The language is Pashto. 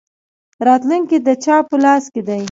راتلونکی د چا په لاس کې دی؟